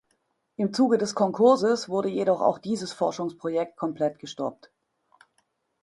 Im Zuge des Konkurses wurde jedoch auch dieses Forschungsprojekt komplett gestoppt.